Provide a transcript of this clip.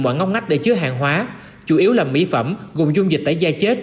mọi ngóng ngách để chứa hàng hóa chủ yếu là mỹ phẩm gồm dung dịch tẩy da chết